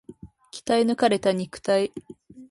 鍛え抜かれた肉体